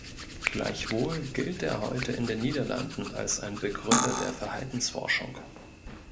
Gleichwohl gilt er heute in den Niederlanden als ein Begründer der Verhaltensforschung.